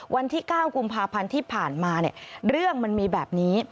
วันที่๙กุมภาพันธ์ที่ผ่านมาเนี่ยเรื่องมันมีแบบนี้